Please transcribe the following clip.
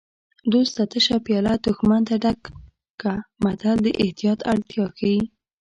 دوست ته تشه پیاله دښمن ته ډکه متل د احتیاط اړتیا ښيي